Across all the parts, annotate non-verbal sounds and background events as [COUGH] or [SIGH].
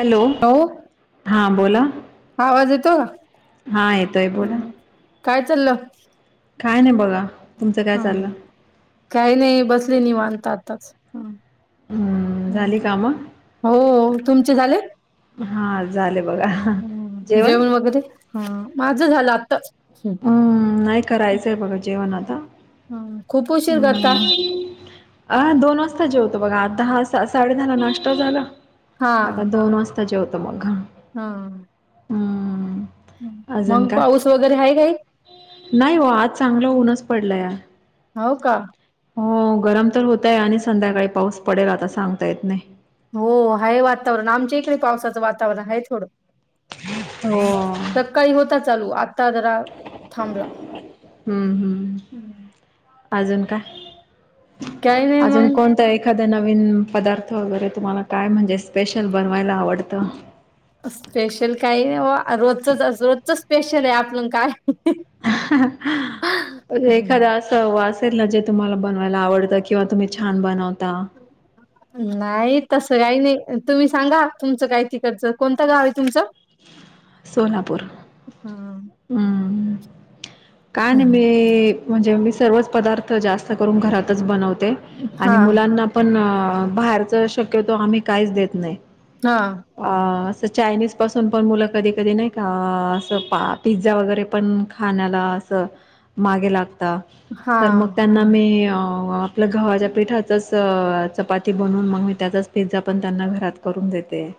Hello हो हां बोला आवाज येतो का हा येतोय बोला ह काय चाललं काय नाही बघा तुमचं काय हम चाललं काही नाही बसले निवांत आताच हम्म, झाली कामं हो तुमचे झाले हा झाले बघा जेवण वगैरे ह माझं झालं आताच हम्म नाही कराहायचंय बघ जेवण आता खूप उशीर हम् करता अ दोन वाजता जेवत तो बघा आ दहा साडे दहाला नष्ट झालं आता दोन वाजता जेवतं मग हा हम्म. अजून मग काय पाऊस वगैरे आहे काही नाही हो आज चांगलं ऊनच पडलं या हो का हो गरम तर होतय आणि संध्याकाळी पाऊस पडेल आता सांगता येत नाही हो आहे वातावरण आमच्या इकडे पावसाचं वातावरण आहे थोडं हो हम्म सकाळी होता चालू आता तदरा थांबला हम्म हम् अजून का काही नाही अजून मग कोणतं एखाद्या नवीन नवीन पदार्थ वगैरे तुम्हाला काय म्हणजे स्पेशल बनवायला आवडतं स्पेशल काही रोजचच रोजच स्पेशल आहे आपलं काय अन एखाद हम्म असं वाचेल ना जे तुम्हाला बनवता मला आवडत किंवा तुम्ही छान बनवता नाही तसं काही नाही तुम्ही सांगा तुमचं काय तिकडचं कोणतं गाव आहे तुमचं तिकडचं सोलापूर हम्म काय नाही मी म्हणजे मी सर्वच पदार्थ जास्त करून घरातच बनवतो हा आणि मुलांना पण बाहेरच शक्यतो आम्ही काहीच देत नाही हा अ चायनीज पासून पण मुलं कधी कधी नाही का असं पा पिझ्झा वगैरे पण खाण्याला मागे ला हा तर म त्यांना मी आपलं गव्हाच्या पिठाचंच चपाती बनवून मग म त्याचाच पिझ्झा पण त्यांना घरात करून देते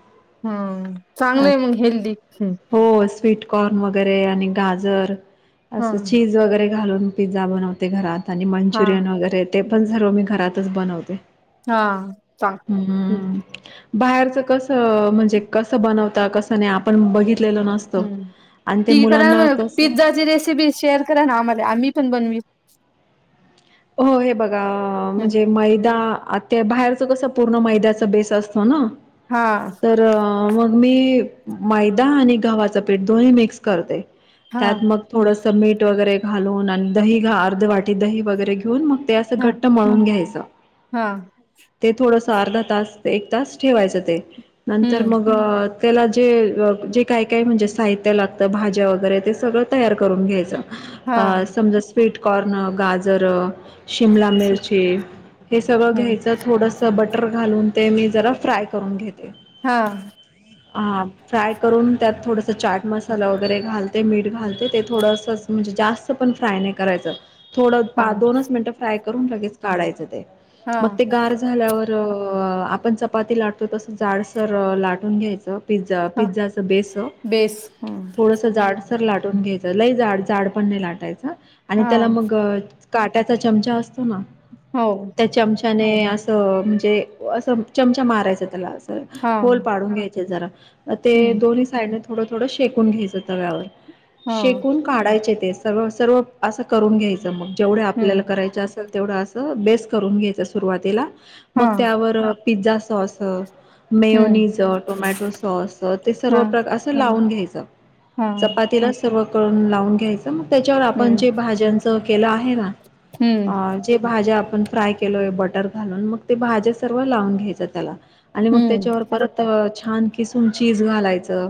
हम्म अ, चांगलं आहे मग हेल्दी कॉर्न वगैरे आणि गाजर हा असं चीज वगैरे घालून पिझ्झा बनवते घरात. आणि हा मंचुरियन वगैरे ते पण सर्व मी घरातच बनवते. हा सांग हं. बाहेरच कस म्हणजे कसं बनवता कसं नाही आपण बघितलं हम्म ठी करा ना कसं पिझ्झाची रेसिपी शेअर करा ना आम्हाला आम्ही पण बनवी [UNINTELLIGIBLE] हो हे बघा म्हणजे मैदा आ त्या बाहेरच कस पूर्ण मैद्याचा बेस असतो ना हा तर मग मी मैदा आणि गव्हाचं पीठ दोन्ही मिक्स करते हा त्यात मग थोडसं मीठ वगैरे घालून आणि दही अर्ध वाटी दही वगैरे घेऊन मग ते असं हा घट्ट मळून घ्यायच हा ते थोड अर्धा तास एक तास ठेवायचं ते नंतर हम्म मग त्याला जे जे काय काय म्हणजे साहित्य लागतं भाज्या वगैरे ते सगळं तयार करून घ्यायचं हा अ समजा स्वीटकॉर्न गाजर शिमला मिरची हे सगळं हम्म घ्यायचं थोडंसं बटर घालून ते मी जरा फ्राय करून घेते हा हा फ्राय करून त्यात थोडस चाट मसाला वगैरे घालते मीठ घालते ते थोडसच तण फ्रा नाही हा क ल हा ग आपण चपाती लाटतो तसं जाडसर लाटून घ्यायचं पिझ्झा हा पिझ्झाच बेस बेस हा थोडस जाडसर लाट घ्याय लयड पण नाही लाटायच आणि हा त्याला मग काट्याचा चमचा असत हो त्या चमचाने असं म्हणजे असं चमचा मारायच त्याला हा ल पाडून घ्यायचे जरा ते हम्म दोन्ही साईड थोडं थोडं शेकून घ्यायचं तव्यावर हां, शेकून काढायचे तेस स सर्व असं करून घ्यायच मगे हं, आपल्याला करायच असेल तेवढं असं बेस करून घ्यायचं सुरुवातीला मग हां, त्यावर पिझ्झा साॉस हं, मेयनीज टोमॅटो सॉस ते सर्व हां, प्रकार असं लावून घ्यायचं हां, चपातीला सर्व करून लावून घ्यायच तर मग त्याच्यावर आपण हं, जे भाज्यांच केलं आहे ना अ हं, जे भाज्या आपण फ्राय केलोय बटर घाून म भा स लाून घ्याय त्याला मग हं, त्याच्या छान किसून चीज घालायचं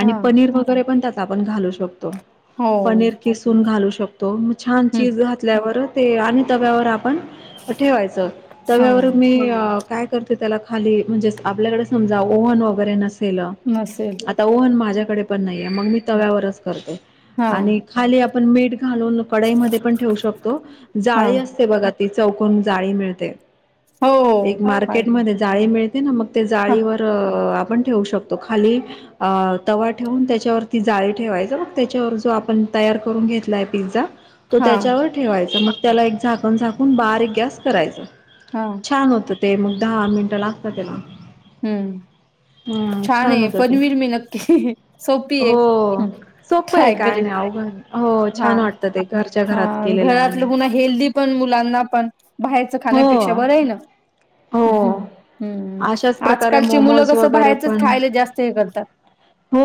आणि हां, पनीर वगैरे पण त्याचा आपण घालू शकतो हो, पनीर किसून घालू शकतो म छान हं, चीज घातल्यावर ते आणि तव्यावर ठेवायचवर हां, मी काय करते त्या खाली म्हणजे आपल्याकडे समजा ओव्हन वगैरे नसेल नसेल. आता ओव्हन माझ्याकडे पण नाही मग मी तव्यावरच करते आणि हां, खाली आप मीठ घालून कडाईमध्ये पण ठेवू शकतो हां, जाळी असते बघा ती चौकून जाळी मिळते हो, एक हाय, मार्केटमध्ये जाळी मिळते ना मग ते हां, जाळीवर आपण ठेवू शकतो तो खाली तवा ठेवून त्याच्यावरतीी जाळी ठेवायच त्याच्यावर जो आपण तयार करून घेतलाय पिझ्झा तो हां, त्याच्यावर ठेवायचा मग त्याला एक झाकण झाकून बारीक गॅस करायच हां, छान होतं ते मग दहा मिनिटं लागत त्याला हम्म हम्म छान आहे होतं ते. पनीवीर मी नक्की सोपी हो आहे सोपं आहे ट्राय काय करे नाही अवघड नाही हो हाा छान वाटतं ते घरच्या हा घरात केलेलं आणि घरातलं पुन्हा हेल्दी द मुलांना पण बाहेरच हो खाण्यापेक्षा बरं आहे ना्् हो अशाच प्रकारे मोमोज वगैरे पण जास्त हे करतात. हो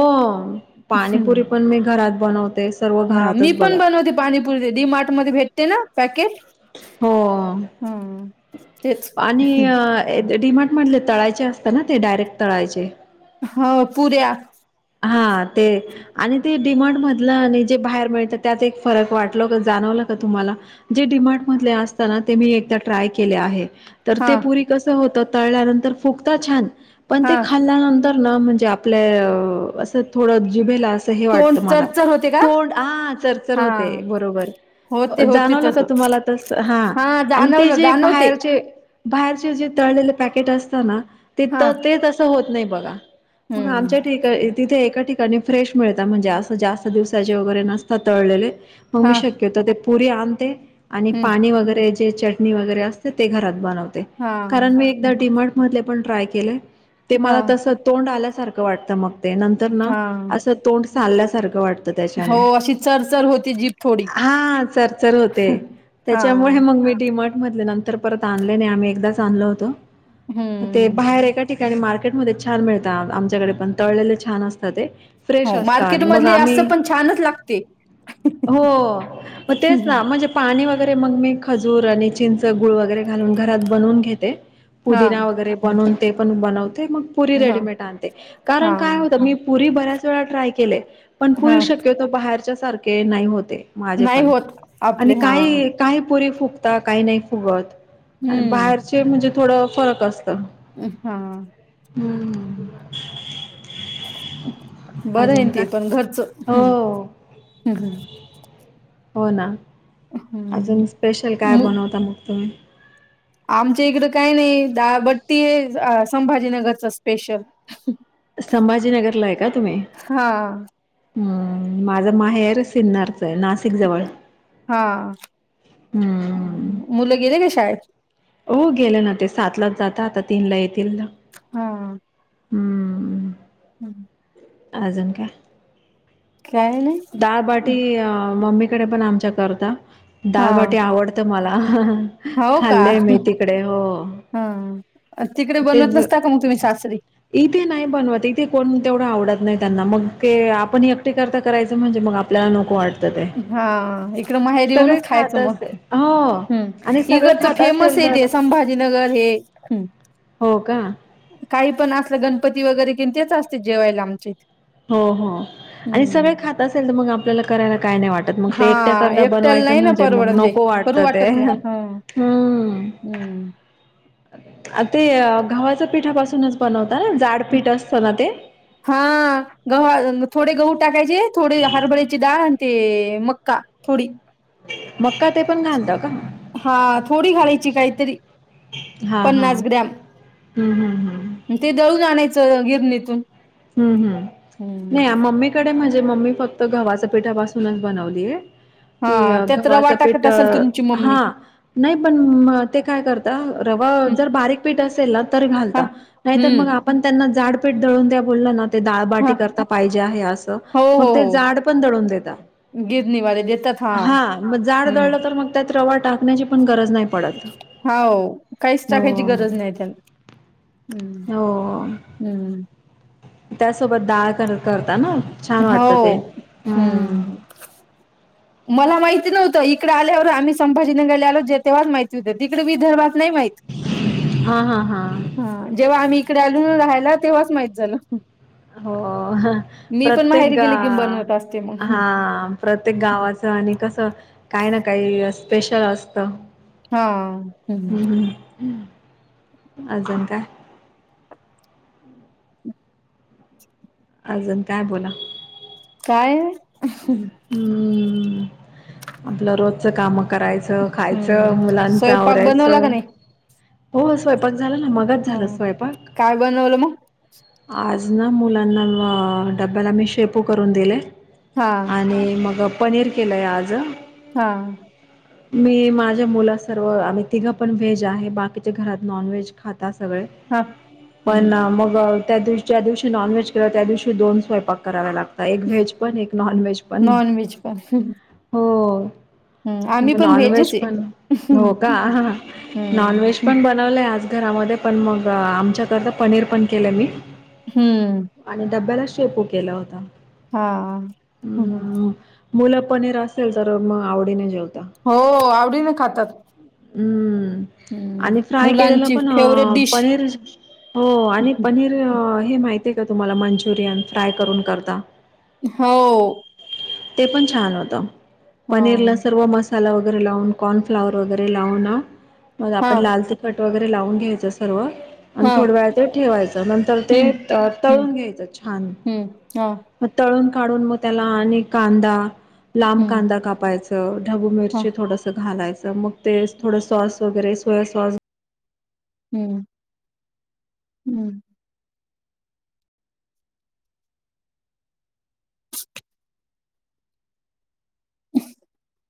हं. पाणीपुरी पण मी घरात बनवते सर्व हा मी घरातच पण बघा बनवते पाणीपुरी डी मार्ट मध्ये भेटते ना पॅकेट हो हा तेच आणि डी मार्ट म्हटले तळायचे असत ना ते डायरेक्ट तळायचे हो पुऱ्या हा ते आणि ते डी मार्ट मधल आणि जे बाहेर मिळतं त्यात एक फरक वाटल जाणवलं तुम्हाला जे डिमार्ट असताना ते मी एकदा ट्राय केले आहे तर हा ते पुरी कस होत तळल्यानंतर फुकता छान पण हा ते खाल्ल्यानंतर न म्हणज आपल्या असं थोड जिभेल अस अस तोंड वाटत मला चरचर होते का तोड ह चरचर हा होते बरोबर होते होते जाणवलं तस का तुम्हाला तस हा आणि ते जाणवलं जे जाणवते बाहेरचे बाहेरचे जे तळलेले पॅकेट असतात ना ते हा ते तसं होत नाही बघा मग हम्म आमच्या ठिका तथे एका ठिकाणी फ्रेश मिळतात म्हणजे असं जास्त दिवसाचे वगैरे नसतात तळलेले मग मी हा शक्यत ते पुरी आणते आणि हम्म पाणी वगैरे जे वगैरे असते ते घरात बनवते हा कारण मी एकदा म्ट मध पण ट्राय केले ते हा मला तस तोंड आल्यासारखं वाटतं मग ते नंतर ना हा असं तोंड चाल्यासारखं वाटतं हो त्याच्याने अशी चरचर होती जीप थोडी हा चर चर होते हा त्याच्यामुळे मग मी डडीमर्ट मधले नंतर परत आणले नाही आम्ही एकदाच आणलो होतो हम्म आणि मार्केटमध्ये छान मिळत आमच्याकडे पण तळलेले छान असतात ते फ्रेश हो असता मार्केट आणि मग मधले आम्ही असं पण छानच लागते हो मग तेच ना हा म्हणजे पाणी वगैरे ते मग मी खजूर आणि चिंच गुळ वगैरे घालून घरात बनून घेते पुदिना वगैरे बनवून ते पण बन ते मग पुरी हा रेडीमेड आणते हा कारण काय होतं मी पुरी बऱ्याच वेळा ट्राय केले पण हा पुरी शक्यतो बाहेरच्या सारखे नाही होते माझे नाही पण होत आपले आणि हा काही काही पोरे फु काही नाही फुगत आणि हम्म बाहेरचे म्हणजे थोड फरक असत हा हम्म [INAUDIBLE] बरं आहे अजून ते काय? पण घरचं हो हम् हम् हम् हो ना अजून स्पेशल काय मु बनवता मग तुम्ही आमच्या इकडं काय नाही दा बट्टी आहे संभाजीनगरचा स्पेशल संभाजीनगरला आहे का तुम्ही हा हम्म माझा माहेर सिन्नारच आहे नाशिक जवळ हम्म. हम् मुलं गेले का शाळेत सात लाच जाता आता तीन ला येतील ना हा हम् हम्म अजून का काय नाही दाळबाटी मम्मी पण आमच्या करता हा दाळबाटी आवडत मला हो का खाल्लेय मी तिकडे हो हा तिकडे बनवत तेच नसता का मग तुम्ही सासरी इथे नाही बनवत इथे कोण तेवढं आवडत नाही त्यांना मग ते आपण एकटी करता करायचं म्हणजे मग आपल्याला नको वाटत हा इकडं माहेरी येऊनच खात खायचं असेल हो मग आणि इक सगळे खात फेमस असेल तर तेे संभाजीनगर हे हो का काही पण असलं गणपती वगैरे कि तेच असते जेवायला आमचे हो हो आणि सगळें खात असेल तर मग आपल्याला करायला काय नाही वाटत मग हा ते एकट्या करता एकट्याला बनवायचं नाही ना म्हणजे परवड मग नको वाटत करू ते नाही. हा हम्म ते घवच्या पिठापासूनच बनवत हा गव थोडे गहू टाकायचे थोडे हरभरायची डाळ ते मक्का थोडी मका हा थोडी घालायची काहीतरी हा हा पन्नास हम्म ग्रॅम हम्म हम्म ते दळून आणायचं गिरणीतून हम्म हम्म हम्म. नाही मम्मीकडे मज म्हणजे मम्मी फक्त गव्हाच्या पिठापासूनच बनवलीय ती हा त्यात ग्हाच रवा टाकत पेट असेल तुमची मम्मी हा नाही पण ते काय करता घा हा हम्म. पेठ दळून त्या बोलला ना ते हा डाळबाटी करता पाहिजे आहे असं हो मग हो ते हो जाड पण दळून गिरणीवाले देतात देतात हा मग जाड हम्म. दळलं तर मग त्यात रवा टाक होा काहीच हो टाकायची गरज नाही त्याला हम्म. हो हम्म त्यासोबत डाळ करता ना छान हो वाटतं ते. हम्म मला माहिती नव्हतं इकडे आल्यावर आम्ही संभजीनगर आलो जेवर माहिती होतं तिकडे विदर्भ मा हा हा हा जेव आ इ खायला तेव्हाच माहित झालं हो मी पण प्रत्येक माहेरी ग गेले की बनवत असते मग. हा प्रत्येक हम्म. गावाचं आणि कसं काही ना काही स्पेशल असत हा हम्म अजं काय अजून काय बोला काय हम्म आपलं रोजच काम करायचं हम्म खायचं मुलांच स्वयंपाक आवरायचं बनवला का नाही? हो स्वयंपाक झाला ना मगज हा झालं स्वयंपाक काय बनवलं मग? आज ना मुलांना डब्याला मी शेपू करून दिले हा आणि मग पनीर केलं आहे आजं हा मी माझ्या मुला सर्व आम तिघं पण व्हेज आहे बाकीच्या घरात नॉनव्हेज खात हो सगळे हा हम्म. पणना मगल त्यावशी ज्या दिवशी नॉनव्हेज केला त्या दिवशी दोन स्वयपाक कराववे लागतात एक व्हेज पण एक नॉनव्हेज पण नॉन व्हेज पण हो आम्ही पण नॉन व्हेज व्हेजच पण आहे. हो का नॉन हम्म, व्हेज हं, पण बनवलंय आज घरामध्ये पण मग आमच्या करता पनीर पण केलं मी हम्म. आणि डबब्याला शेपू केला होता हा हम्म हम्म मुलं पनीर असेल तर मग आवडी न जेवत हो आवडीने खातात हम्म हम्म, आणि फ्राय केले मुलांची पण फेवरेट डिश. पनीर हो आणि पनीर हे माहितीय का तुम्हाला मंचुरियन फ्राय करून करता हो ते पण छान होत पनीरला हां, सर्व मसा मला वगैरे लावून कॉर्नफ्लावर वगैरे लावून आपण हां, लाल तिखट वगैर लावून घ्यायचं सर्व आणि हां. थोड वेळ ते ठेवायचं नंतर ते हं, हं, तळून घ्यायचं छान हं. हां, मग तळून काढून मग त्याला आणि कांदा लांब हं, कांदा कापायचं ढबू हां, मिरची थोडस घालायच मग ते थोडं सॉस वगैरे सोया सॉस हम्म हम्म [INAUDIBLE]